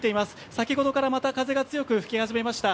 先ほどからまた風が強く吹き始めました。